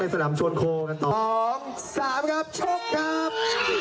ไปสนามชวนโครง๒๓กับชกครับ